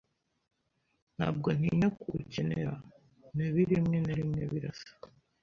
Ntabwo ntinya kugukenera nabirimwe na rimwe birasa